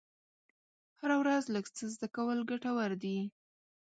هره ورځ لږ څه زده کول ګټور دي.